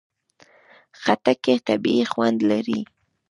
خټکی طبیعي خوند لري.